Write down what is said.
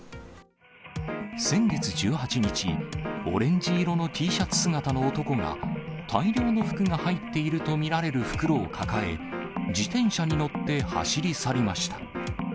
先月１８日、オレンジ色のＴシャツ姿の男が、大量の服が入っていると見られる袋を抱え、自転車に乗って走り去りました。